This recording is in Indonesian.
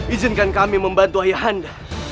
izinkan kami membantu ayah anda